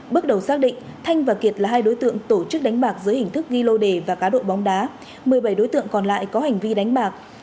bước đầu xác định thanh và kiệt là hai đối tượng tổ chức đánh bạc dưới hình thức ghi lô đề và cá độ bóng đá một mươi bảy đối tượng còn lại có hành vi đánh bạc